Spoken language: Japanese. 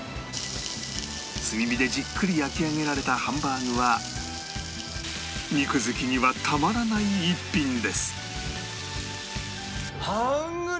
炭火でじっくり焼き上げられたハンバーグは肉好きにはたまらない一品です